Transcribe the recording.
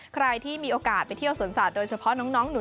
ใครที่มีโอกาสไปเที่ยวสวนสัตว์โดยเฉพาะน้องหนู